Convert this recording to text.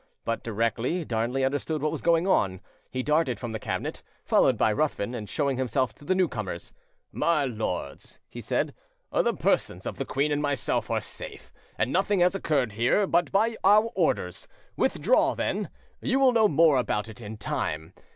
But directly Darnley understood what was going on, he darted from the cabinet, followed by Ruthven, and showing himself to the newcomers— "My lords," he said, "the persons of the queen and myself are safe, and nothing has occurred here but by our orders. Withdraw, then; you will know more about it in time.